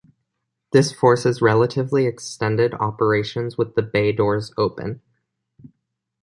This forces relatively extended operations with the bay doors open.